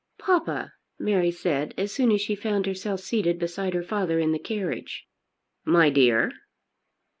"Papa!" Mary said as soon as she found herself seated beside her father in the carriage. "My dear."